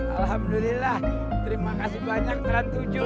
alhamdulillah terima kasih banyak teratujuh gratis umroh